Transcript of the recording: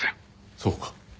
そうか。